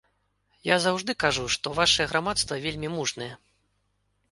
Я заўжды кажу, што вашае грамадства вельмі мужнае.